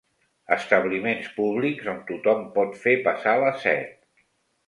Establiments públics on tothom pot fer passar la set.